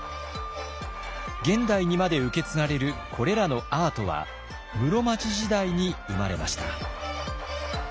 現代にまで受け継がれるこれらのアートは室町時代に生まれました。